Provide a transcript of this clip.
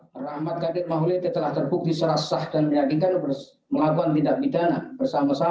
hai rahmat gadir maulid telah terbukti serasa dan meyakinkan melakukan tindak bidana bersama sama